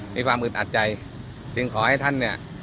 มีความอึดอัดใจจึงขอให้ท่านเนี้ย